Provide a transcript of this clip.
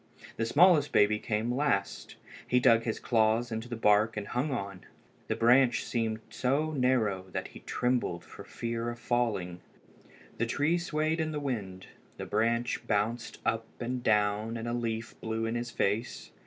The smallest baby came last. He dug his claws into the bark and hung on. The branch seemed so narrow that he trembled from fear of falling. The tree swayed in the wind. The branch bounced up and down, and a leaf blew in his face.